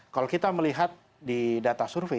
kalau kita melihat di data survei